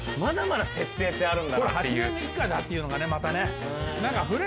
８年目以下だっていうのがねまたね。